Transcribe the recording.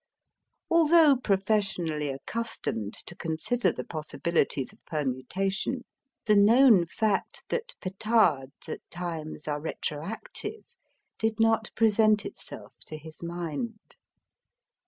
Although professionally accustomed to consider the possibilities of permutation, the known fact that petards at times are retroactive did not present itself to his mind.